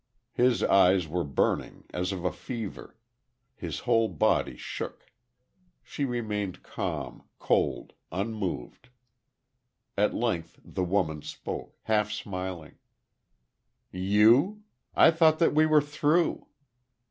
His eyes were burning as of a fever; his whole body shook.... She remained calm, cold, unmoved. At length, the woman spoke, half smiling: "You? ... I thought that we were through."